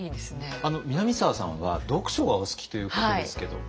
南沢さんは読書がお好きということですけど。